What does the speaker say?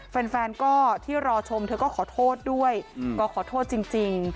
แฟนก็ที่รอชมเธอก็ขอโทษด้วยก็ขอโทษจริง